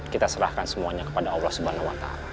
kita serahkan semuanya kepada allah swt